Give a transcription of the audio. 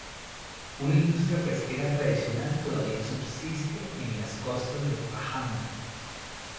Una industria pesquera tradicional todavía subsiste en las costas de Pahang.